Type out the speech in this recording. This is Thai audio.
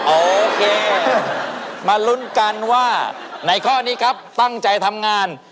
โอเคมาลุ้นกันว่าในข้อนี้ครับตั้งใจทำงาน